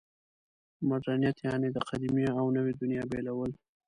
مډرنیت یعنې د قدیمې او نوې دنیا بېلول.